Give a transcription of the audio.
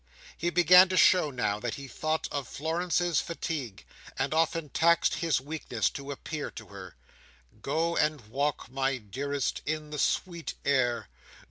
He began to show now that he thought of Florence's fatigue: and often taxed his weakness to whisper to her, "Go and walk, my dearest, in the sweet air.